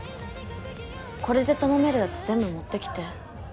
これで頼めるやつ全部持ってきて。